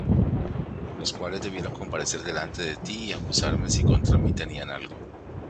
Los cuales debieron comparecer delante de ti, y acusarme, si contra mí tenían algo.